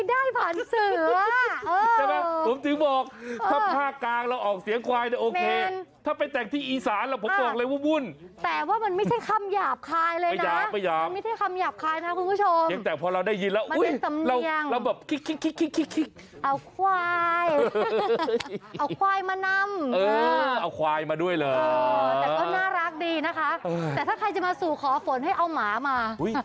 ดิตดเรียนแล้วทสอบค่ะแต่ใครจะมาสู่ขอฝนให้เอาหมามา